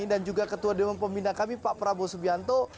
dan juga ketua demokrasi pembina kami pak prabowo subianto